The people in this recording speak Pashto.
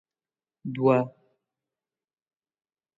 دوه